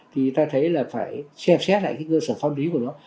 thì ta thấy là phải xem xét lại cái cơ sở pháp lý của nó